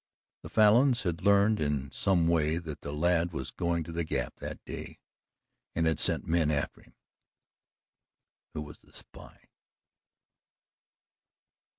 The Falins had learned in some way that the lad was going to the Gap that day and had sent men after him. Who was the spy?